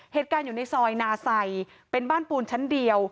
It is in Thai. เหตุการณ์อยู่ในซอยนาไซเป็นบ้านปูนชั้นเดียว